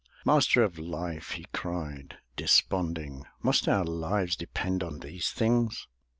"Master of Life!'' he cried, desponding, "Must our lives depend on these things?"